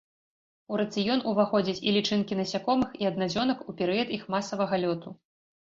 У рацыён уваходзяць і лічынкі насякомых і аднадзёнак ў перыяд іх масавага лёту.